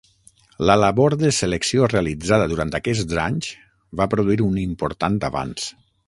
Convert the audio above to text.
La labor de selecció realitzada durant aquests anys va produir un important avanç.